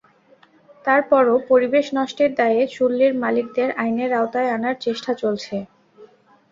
তার পরও পরিবেশ নষ্টের দায়ে চুল্লির মালিকদের আইনের আওতায় আনার চেষ্টা চলছে।